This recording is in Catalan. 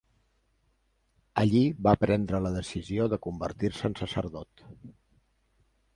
Allí va prendre la decisió de convertir-se en sacerdot.